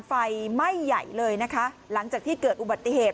ไฟไหม้ใหญ่เลยนะคะหลังจากที่เกิดอุบัติเหตุ